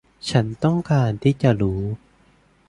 ฉันต้องการที่จะรู้